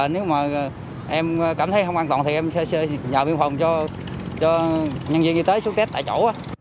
nếu mà em cảm thấy không an toàn thì em sẽ nhờ viên phòng cho nhân viên y tế xuất kết tại chỗ